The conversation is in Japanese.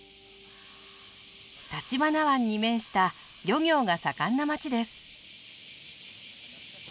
橘湾に面した漁業が盛んな町です。